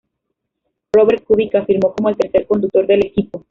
Robert Kubica firmó como el tercer conductor del equipo.